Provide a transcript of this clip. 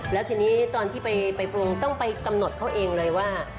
แล้วทีนี้ตอนที่ไปปรุงต้องไปกำหนดเขาเองเลยว่า